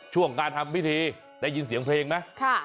ช่วงการทำพิธีได้ยินเสียงเพลงไหม